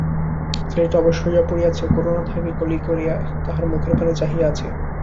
ছেলেটি অবশ হইয়া পড়িয়াছে, করুণা তাহাকে কোলে করিয়া তাহার মুখের পানে চাহিয়া আছে।